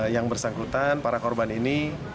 yang bersangkutan para korban ini